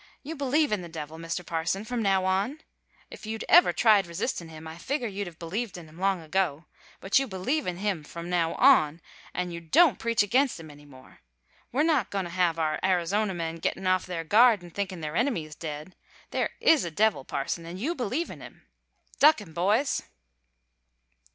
You believe in the devil, Mr. Parson, from now on? If you'd ever tried resistin' him I figger you'd have b'lieved in him long ago. But you believe in him from now on, an' you don't preach against him any more! We're not goin' to have our Arizona men gettin' off their guard an' thinkin' their enemy is dead. There is a devil, parson, and you believe in him! Duck him, boys!"